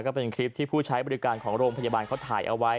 ก็เป็นคลิปที่ผู้ใช้บริการของโรงพยาบาลเขาถ่ายเอาไว้